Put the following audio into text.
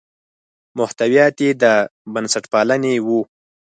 محتویات یې د بنسټپالنې وو.